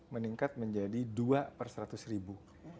meningkat menjadi dua per seratus ribu